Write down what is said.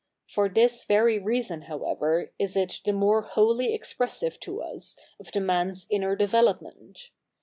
For this ve7y 7'eason, however, is if the mo7 e ivholly expr essive to us of the 77ia7i's inner dei^elopmenf.